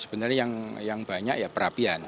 sebenarnya yang banyak ya perapian